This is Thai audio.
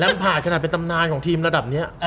มันผ่านขนาดเป็นตำนานของทีมระดับนี้